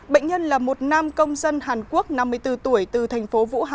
bệnh nhân là một nam công dân hàn quốc năm mươi bốn tuổi từ thành phố vũ hà